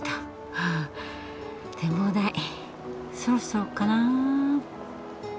はぁ展望台そろそろかな。